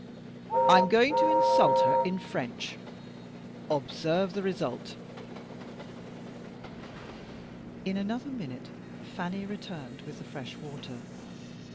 "I am going to insult her in French. Observe the result." In another minute Fanny returned with the fresh water.